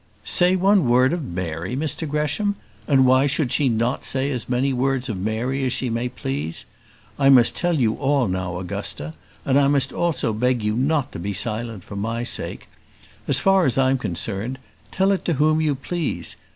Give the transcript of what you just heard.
"Say one word of Mary, Mr Gresham! And why should she not say as many words of Mary as she may please? I must tell you all now, Augusta! and I must also beg you not to be silent for my sake. As far as I am concerned, tell it to whom you please.